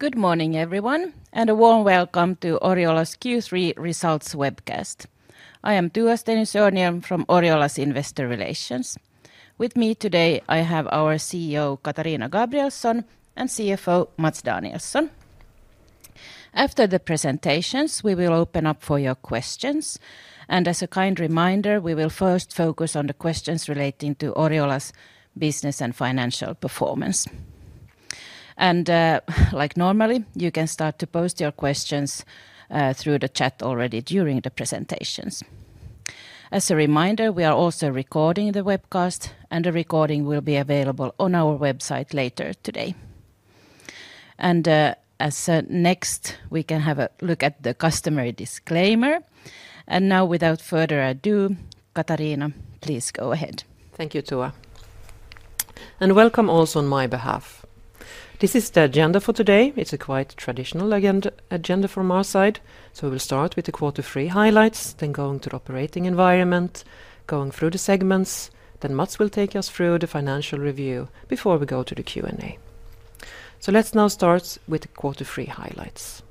Good morning everyone and a warm welcome to Oriola's Q3 Results Webcast. I am Tua Stenius-Örnhjelm from Oriola's Investor Relations. With me today I have our CEO Katarina Gabrielson and CFO Mats Danielsson. After the presentations we will open up for your questions and as a kind reminder, we will first focus on the questions relating to Oriola's business and financial performance. Like normally, you can start to post your questions through the chat already during the presentations. As a reminder, we are also recording the webcast and the recording will be available on our website later today. Next, we can have a look at the customary disclaimer. Now without further ado, Katarina, please go ahead. Thank you, Tua, and welcome also on my behalf. This is the agenda for today. It's a quite traditional agenda from our side. We will start with the quarter three highlights, then go to the operating environment, go through the segments, then Mats will take us through the financial review before we go to the Q&A. Let's now start with the quarter three highlights.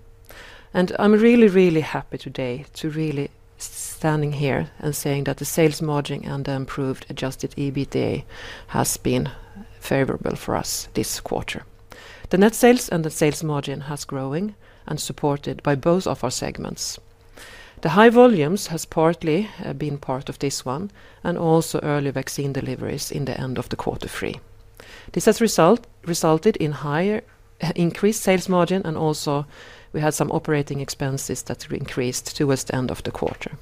I'm really, really happy today to be standing here and saying that the sales margin and Adjusted EBITDA has been favorable for us this quarter. The net sales and the sales margin have grown and are supported by both of our segments. The high volumes have partly been part of this and also early vaccine deliveries in the end of quarter three. This has resulted in higher increased sales margin, and also we had some operating expenses that increased towards the end of the quarter.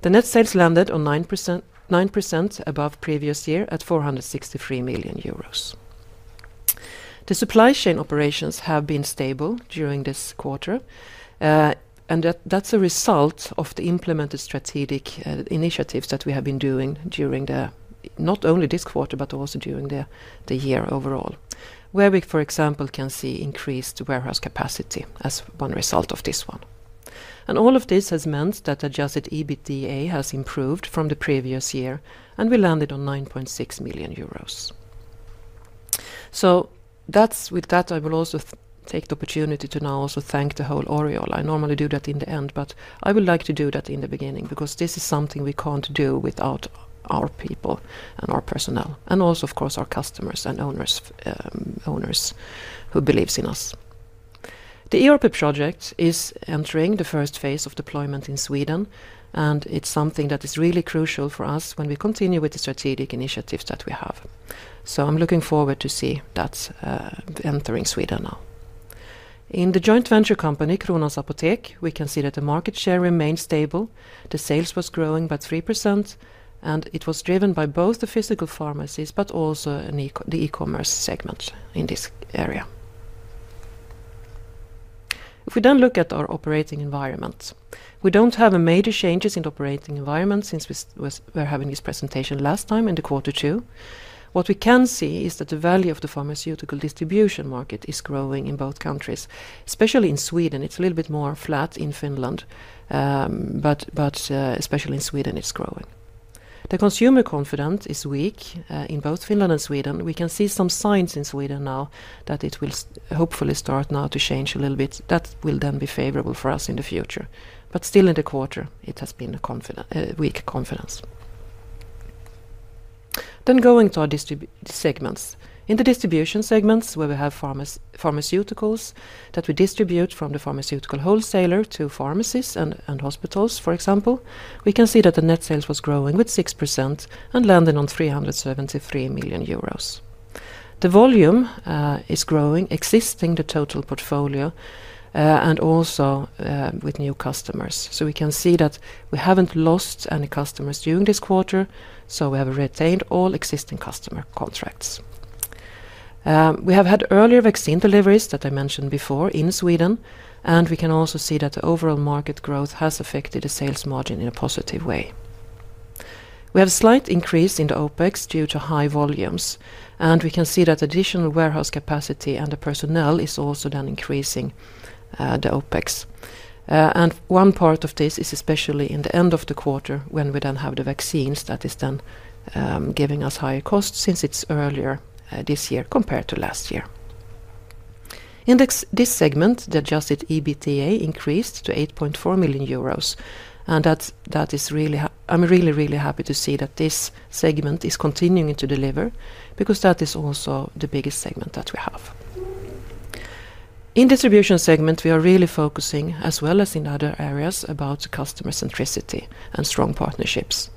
The net sales landed on 9% above previous year at 463 million euros. The supply chain operations have been stable during this quarter, and that's a result of the implemented strategic initiatives that we have been doing during not only this quarter, but also during the year overall, where we, for example, can see increased warehouse capacity as one result of this. All of this has meant Adjusted EBITDA has improved from the previous year, and we landed on 9.6 million euros. With that, I will also take the opportunity to now thank the whole Oriola. I normally do that in the end, but I would like to do that in the beginning because this is something we can't do without our people and our personnel and also, of course, our customers and owners who believe in us. The ERP project is entering the first phase of deployment in Sweden, and it's something that is really crucial for us when we continue with the strategic initiatives that we have. I'm looking forward to see that entering Sweden now. In the joint venture company Kronans Apotek, we can see that the market share remained stable. The sales were growing by 3%, and it was driven by both the physical pharmacies, but also the e-commerce segment in this area. If we then look at our operating environment, we don't have major changes in operating environment since we were having this presentation last time in quarter two. What we can see is that the value of the pharmaceutical distribution market is growing in both countries, especially in Sweden. It's a little bit more flat in Finland, but especially in Sweden it's growing. The consumer confidence is weak in both Finland and Sweden. We can see some signs in Sweden now that it will hopefully start now to change a little bit. That will then be favorable for us in the future. Still, in the quarter it has been a weak confidence. Going to our segments, in the distribution segments where we have pharmaceuticals that we distribute from the pharmaceutical wholesaler to pharmacies and hospitals, for example, we can see that the net sales was growing with 6% and landed on 373 million euros. The volume is growing existing, the total portfolio and also with new customers. We can see that we haven't lost any customers during this quarter. We have retained all existing customer contracts. We have had earlier vaccine deliveries that I mentioned before in Sweden. We can also see that the overall market growth has affected the sales margin in a positive way. We have a slight increase in the opex due to high volumes. We can see that additional warehouse capacity and the personnel is also then increasing the opex. One part of this is especially in the end of the quarter when we then have the vaccines, that is then giving us higher costs since it's earlier this year compared to last year. In this segment, Adjusted EBITDA increased to 8.4 million euros. I'm really, really happy to see that this segment is continuing to deliver because that is also the biggest segment that we have in distribution segment. We are really focusing as well as in other areas about customer centricity and strong partnerships.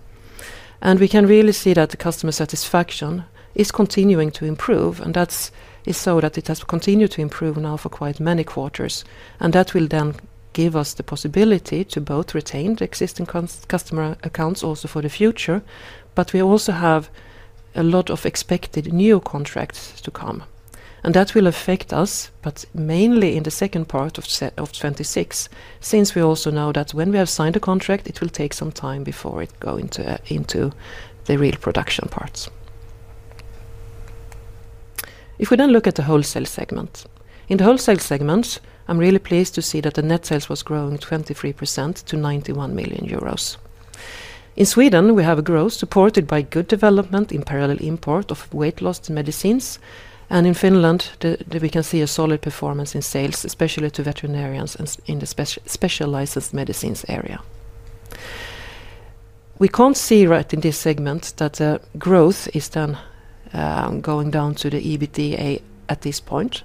We can really see that the customer satisfaction is continuing to improve. That is so that it has continued to improve now for quite many quarters. That will then give us the possibility to both retain the existing customer accounts also for the future. We also have a lot of expected new contracts to come and that will affect us, but mainly in the second part of 2026, since we also know that when we have signed a contract it will take some time before it goes into the real production parts. If we then look at the wholesale segment, in the wholesale segments I'm really pleased to see that the net sales was growing 23% to 91 million euros. In Sweden we have a growth supported by good development in parallel import of weight loss medicines. In Finland we can see a solid performance in sales, especially to veterinarians in the special licensed medicines area. We can't see right in this segment that growth is then going down to the EBITDA at this point.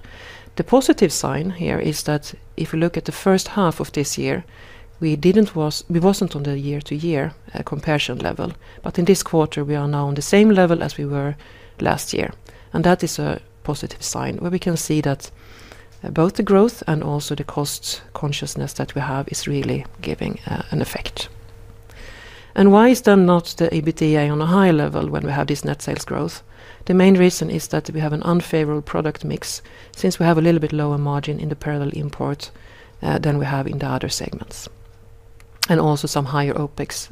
The positive sign here is that if we look at the first half of this year we weren't on the year-to-year comparison level. In this quarter we are now on the same level as we were last year. That is a positive sign where we can see that both the growth and also the cost consciousness that we have is really giving an effect. Why is there not the EBITDA on a higher level when we have this net sales growth? The main reason is that we have an unfavorable product mix since we have a little bit lower margin in the parallel import than we have in the other segments and also some higher opex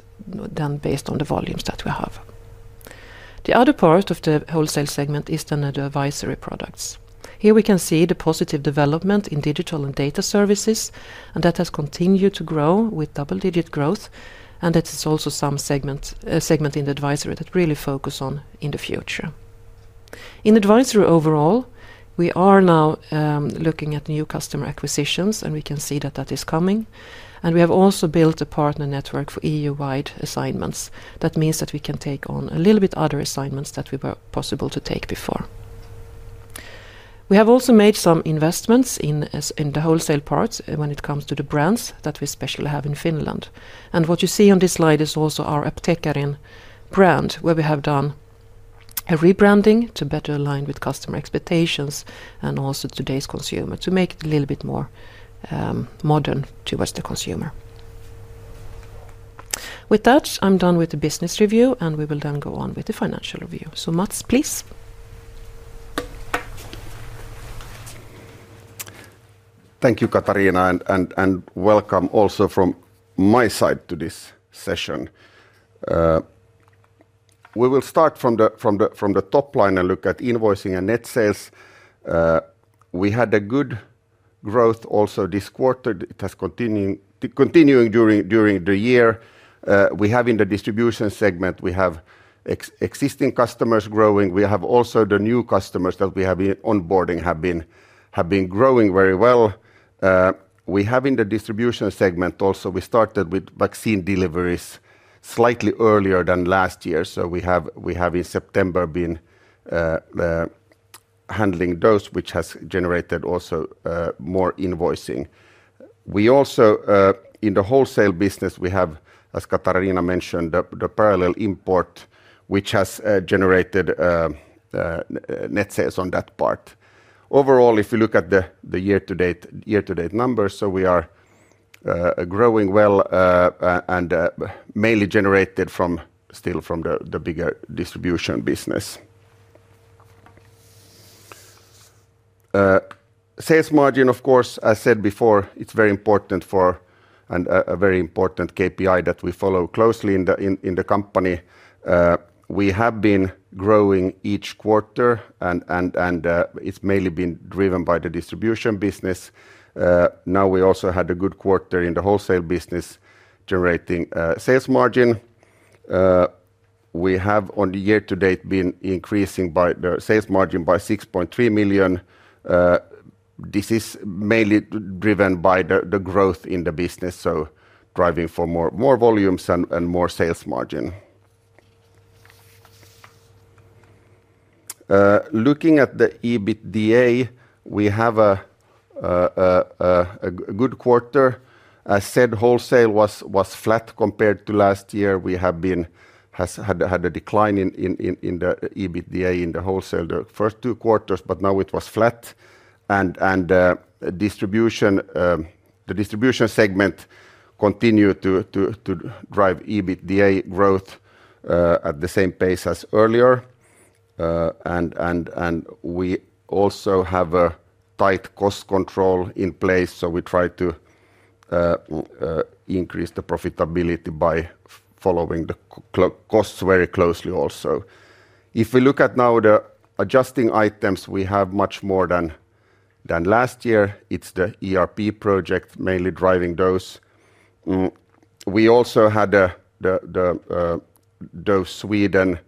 based on the volumes that we have. The other part of the wholesale segment is the advisory products. Here we can see the positive development in digital and data services and that has continued to grow with double-digit growth. That is also some segment in the advisory that we really focus on in the future. In advisory overall, we are now looking at new customer acquisitions and we can see that that is coming. We have also built a partner network for EU-wide assignments. That means that we can take on a little bit other assignments that were possible to take before. We have also made some investments in the wholesale parts when it comes to the brands that we especially have in Finland. What you see on this slide is also our Apteekkarin brand where we have done a rebranding to better align with customer expectations and also today's consumer to make it a little bit more modern towards the consumer. With that I'm done with the business review and we will then go on with the financial review. Please. Thank you, Katarina, and welcome. Also from my side to this session, we will start from the top line and look at invoicing and net sales. We had a good growth also this quarter. It has continued during the year. We have in the distribution segment, we have existing customers growing. We have also the new customers that we have been onboarding have been growing very well. We have in the distribution segment also started with vaccine deliveries slightly earlier than last year. In September, we have been handling those, which has generated also more invoicing. Also, in the wholesale business, as Katarina mentioned, the parallel import has generated net sales on that part. Overall, if you look at the year-to-date numbers, we are growing well and mainly generated still from the bigger distribution business sales margin. Of course, I said before it's very important for and a very important KPI that we follow closely in the company. We have been growing each quarter, and it's mainly been driven by the distribution business. We also had a good quarter in the wholesale business generating sales margin. On the year-to-date, we have been increasing the sales margin by 6.3 million. This is mainly driven by the growth in the business, driving for more volumes and more sales margin. Looking at the EBITDA, we have a good quarter. As said, wholesale was flat compared to last year. We have had a decline in the EBITDA in the wholesale the first two quarters, but now it was flat. The distribution segment continues to drive EBITDA growth at the same pace as earlier. We also have a tight cost control in place. We try to increase the profitability by following the costs very closely. If we look at now the adjusting items, we have much more than last year. It's the ERP project mainly driving those. We also had those in Sweden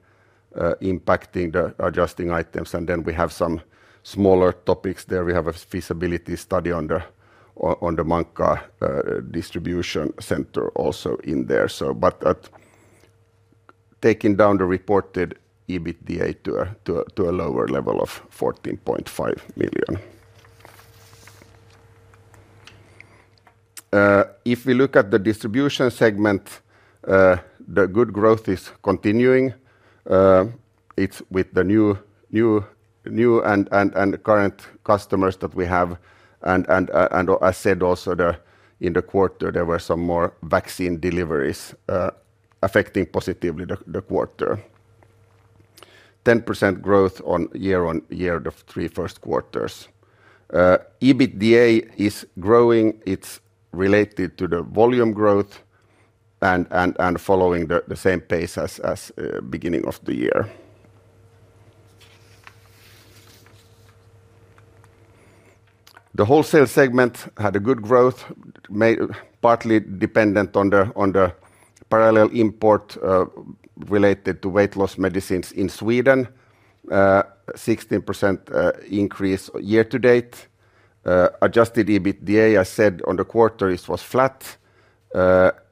impacting the adjusting items. Then we have some smaller topics there. We have a feasibility study on the [Mankkaa] distribution center also in there, taking down the reported EBITDA to a lower level of 14.5 million. If we look at the distribution segment, the good growth is continuing. It's with the new and current customers that we have. I said also in the quarter there were some more vaccine deliveries affecting positively the quarter. 10% growth on year-on-year, the first three quarters EBITDA is growing. It's related to the volume growth and following the same pace as beginning of the year the wholesale segment had a good growth partly dependent on the parallel import related to weight loss medicines in Sweden. 16% increase year-to-date Adjusted EBITDA. I said on the quarter it was flat.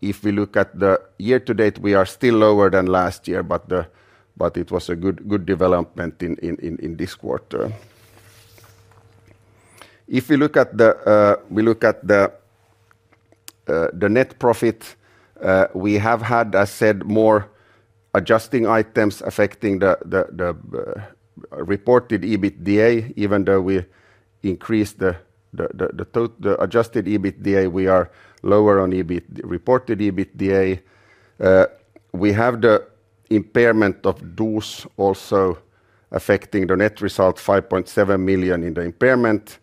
If we look at the year to date we are still lower than last year, but it was a good development in this quarter. If we look at the net profit we have had, as said more adjusting items affecting the reported EBITDA. Even though we increased Adjusted EBITDA, we are lower on reported EBITDA. We have the impairment of those also affecting the net result, $5.7 million in the impairment,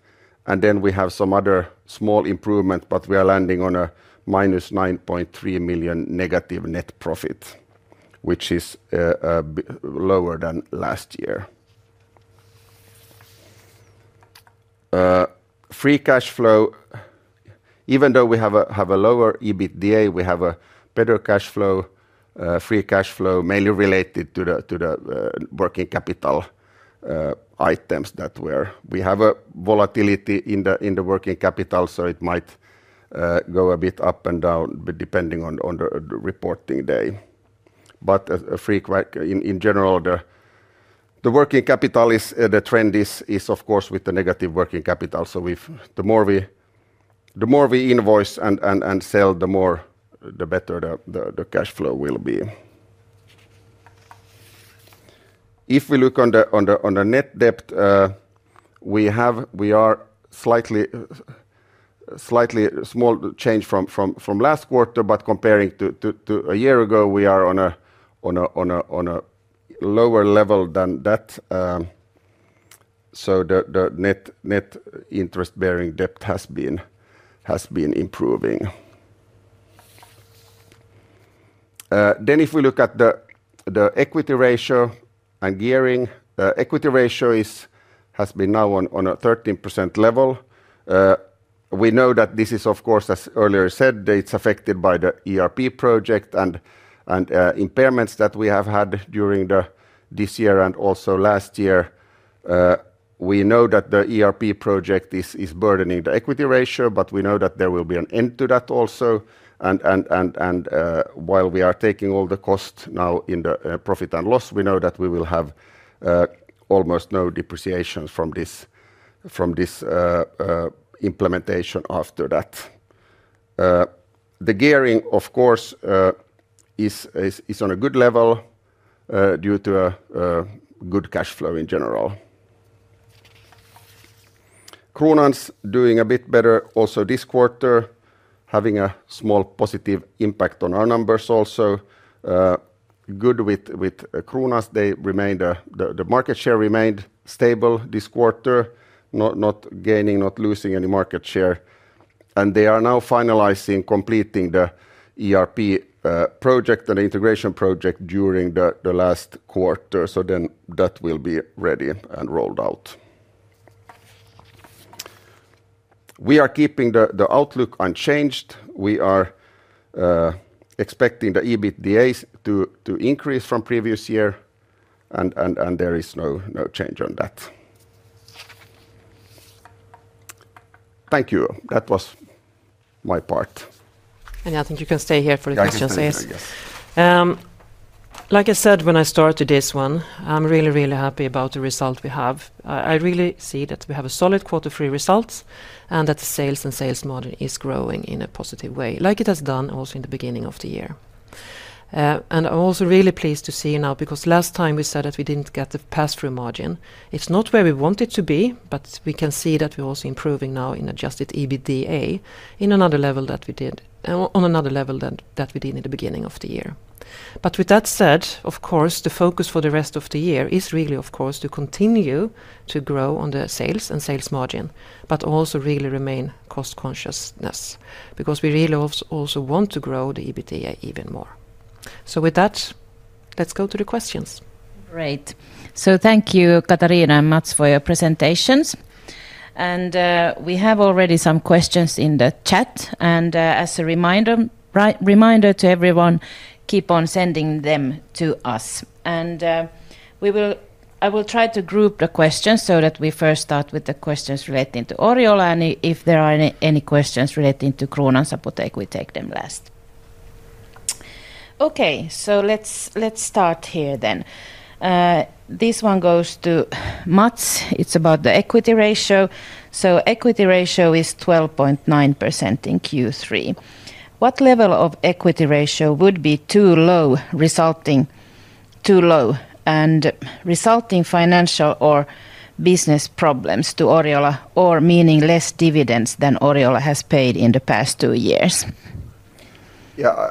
and then we have some other small improvement but we are landing on a -$9.3 million negative net profit which is lower than last year free cash flow. Even though we have a lower EBITDA, we have a better cash flow, free cash flow mainly related to the working capital items that were. We have a volatility in the working capital so it might go a bit up and down depending on the reporting day but in general the working capital is. The trend is of course with the negative working capital. The more we invoice and sell, the better the cash flow will be. If we look on the net debt we are slightly small change from last quarter but comparing to a year ago we are on a lower level than that. The net interest bearing debt has been improving then. If we look at the equity ratio and gearing, equity ratio has been now on a 13% level. We know that this is of course as earlier said, it's affected by the ERP project and impairments that we have had during this year and also last year. We know that the ERP project is burdening the equity ratio but we know that there will be an end to that also. While we are taking all the cost now in the profit and loss, we know that we will have almost no depreciation from this implementation after that. The gearing of course is on a good level due to a good cash flow, in general. Kronans is doing a bit better also this quarter having a small positive impact on our numbers also good with Kronans. The market share remained stable this quarter, not gaining, not losing any market share and they are now finalizing completing the ERP project and integration project during the last quarter. That will be ready and rolled out. We are keeping the outlook unchanged. We are expecting the EBITDA to increase from previous year, and there is no change on that. Thank you, that was my part. I think you can stay here for the questions. Like I said when I started this one, I'm really, really happy about the result we have. I really see that we have a solid quarter three results and that the sales and sales margin is growing in a positive way like it has done also in the beginning of the year. I'm also really pleased to see now because last time we said that we didn't get the pass through margin. It's not where we want it to be, but we can see that we're also improving now Adjusted EBITDA in another level than that we did in the beginning of the year. With that said, of course the focus for the rest of the year is really, of course to continue to grow on the sales and sales margin, but also really remain cost consciousness because we really also want to grow the EBITDA even more. With that, let's go to the questions. Great. Thank you, Katarina, Mats, for your presentations. We have already some questions in the chat, and as a reminder to everyone, keep on sending them to us. I will try to group the questions so that we first start with the questions relating to Oriola. If there are any questions relating to Kronans Apotek, we take them last. Okay, let's start here then. This one goes to Mats. It's about the equity ratio. Equity ratio is 12.9% in Q3. What level of equity ratio would be too low, resulting in financial or business problems to Oriola or meaning less dividends than Oriola has paid in the past two years?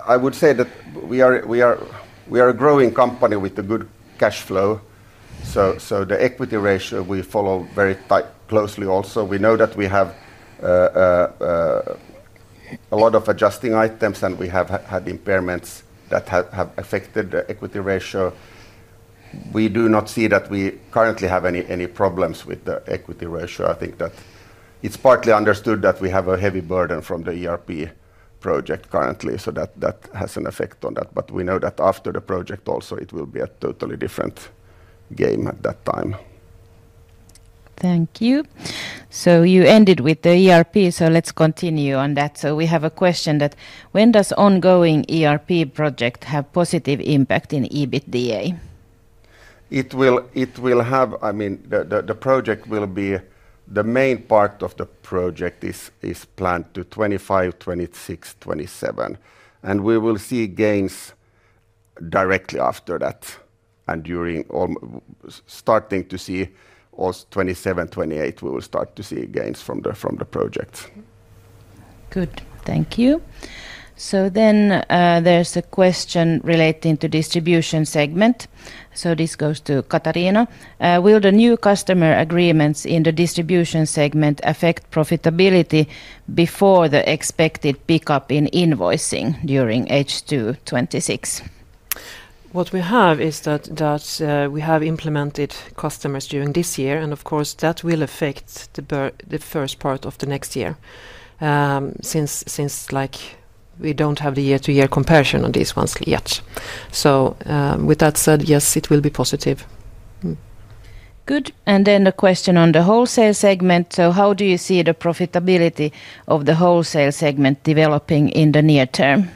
I would say that we are a growing company with a good cash flow. The equity ratio we follow very closely. Also, we know that we have a lot of adjusting items and we have had impairments that have affected the equity ratio. We do not see that we currently have any problems with the equity ratio. I think that it's partly understood that we have a heavy burden from the ERP project currently, so that has an effect on that. We know that after the project also it will be a totally different game at that time. Thank you. You ended with the ERP, so let's continue on that. We have a question: when does the ongoing ERP project have a positive impact in EBITDA? The project will be. The main part of the project is planned to 2025, 2026, 2027, and we will see gains directly after that. During 2027, 2028, we will start to see gains from the project. Good, thank you. There is a question relating to distribution segment. So this goes to Katarina. Will the new customer agreements in the distribution segment affect profitability before the expected pickup in invoicing during H2 2026? What we have is that we have implemented customers during this year, and of course that will affect the first part of the next year since we don't have the year-to-year comparison on these ones yet. With that said, yes, it will be positive. Good. A question on the Wholesale segment. How do you see the profitability of the wholesale segment developing in the near term?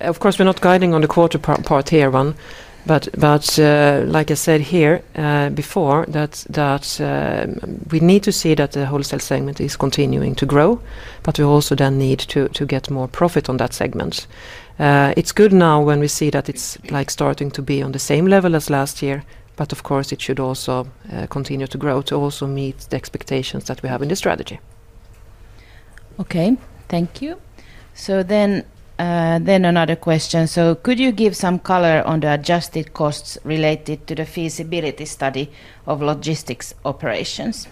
Of course we're not guiding on the quarter part here, [Ron], but like I said here before that we need to see that the Wholesale segment is continuing to grow, but we also then need to get more profit on that segment. It's good now when we see that it's like starting to be on the same level as last year. Of course it should also continue to grow to also meet the expectations that we have in the strategy. Thank you. Could you give some color on the adjusted costs related to the feasibility study of logistics operations?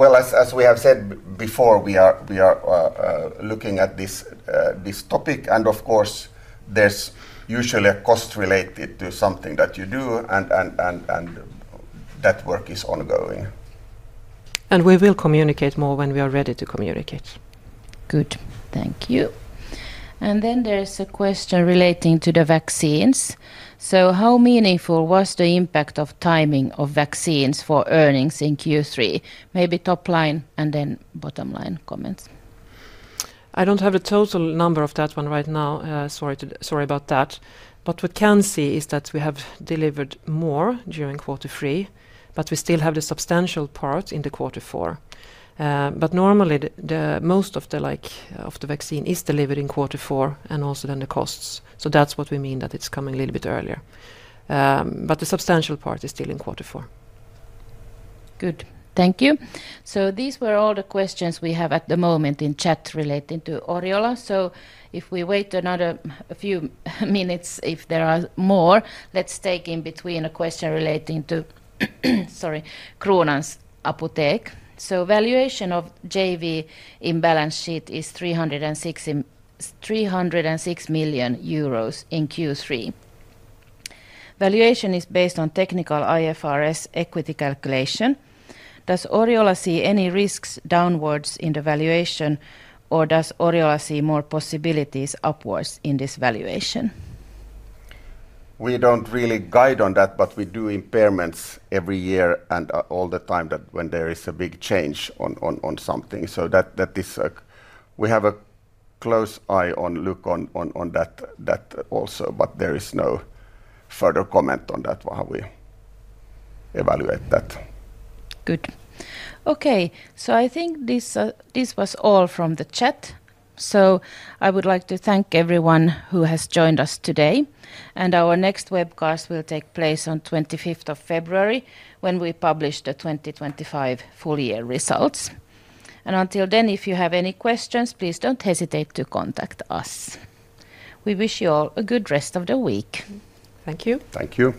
As we have said before, we are looking at this topic and of course there's usually a cost related to something that you do and that work is ongoing. And we will communicate more when we are ready to communicate. Good, thank you. There is a question relating to the vaccines. How meaningful was the impact of timing of vaccines for earnings in Q3? Maybe top line and then bottom line comments? I don't have a total number of that one right now, sorry about that. What we can see is that we have delivered more during quarter three, but we still have the substantial part in quarter four. Normally, most of the vaccine is delivered in quarter four and also then the costs. That's what we mean, that it's coming a little bit earlier, but the substantial part is still in quarter four. Good, thank you. These were all the questions we have at the moment in chat relating to Oriola. If we wait another few minutes, if there are more, let's take in between a question relating to, sorry, Kronans Apotek. Valuation of JV in balance sheet is 306 million euros in Q3. Valuation is based on technical IFRS equity calculation. Does Oriola see any risks downwards in the valuation or does Oriola see more possibilities upwards in this valuation? We don't really guide on that, but we do impairments every year and all the time when there is a big change on something. We have a close eye on that also. There is no further comment on that while we evaluate that. Good. Okay, I think this was all from the chat. I would like to thank everyone who has joined us today. Our next webcast will take place on February 25th when we publish the 2025 full year results. Until then, if you have any questions, please don't hesitate to contact us. We wish you all a good rest of the week. Thank you. Thank you.